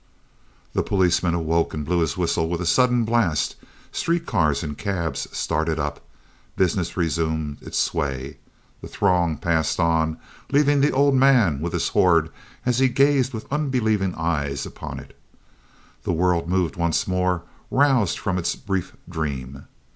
The policeman awoke and blew his whistle with a sudden blast, street cars and cabs started up, business resumed its sway, the throng passed on, leaving the old man with his hoard as he gazed with unbelieving eyes upon it. The world moved once more, roused from its brief dream.